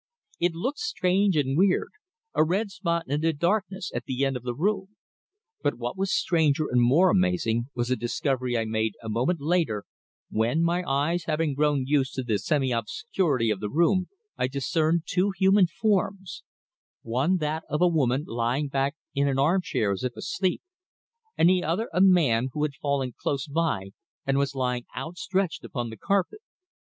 It looked strange and weird, a red spot in the darkness at the end of the room; but what was stranger and more amazing was a discovery I made a moment later when, my eyes having grown used to the semi obscurity of the room, I discerned two human forms, one that of a woman lying back in an armchair as if asleep, and the other a man, who had fallen close by and was lying outstretched upon the carpet.